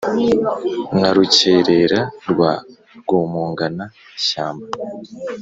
nka rukerera rwa rwomongana-shyamba.